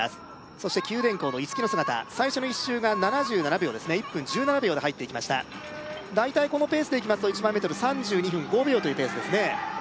そして九電工の逸木の姿最初の１周が７７秒ですね１分１７秒で入っていきました大体このペースでいきますと１００００ｍ３２分５秒というペースですね